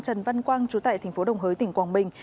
trần văn quang trú tại tp đồng hới tỉnh quảng bình